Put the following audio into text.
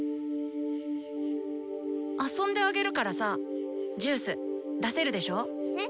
遊んであげるからさジュース出せるでしょ？え？え？